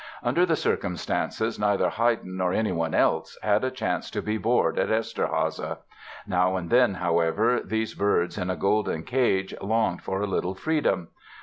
Under the circumstances, neither Haydn nor anyone else, had a chance to be bored at Eszterháza. Now and then, however, these birds in a golden cage longed for a little freedom.